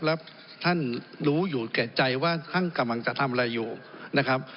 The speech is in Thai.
แล้วท่านรู้อยู่แก่ใจว่าท่านกำลังจะทำอะไรอยู่นะครับ